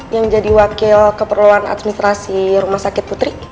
yang jadi wakil keperluan administrasi rumah sakit putri